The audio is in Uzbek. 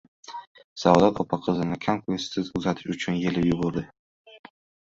Saodat opa qizini kam-ko`stsiz uzatish uchun elib yugurdi